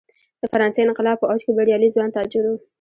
د فرانسې انقلاب په اوج کې بریالي ځوان تاجر و.